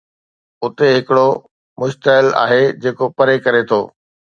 اتي ھڪڙو مشعل آھي جيڪو پري ڪري ٿو